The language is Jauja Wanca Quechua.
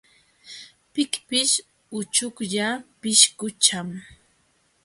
Pikpish uchuklla pishqucham.